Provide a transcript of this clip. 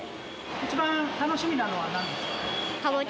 一番楽しみなのはなんですか？